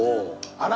あら！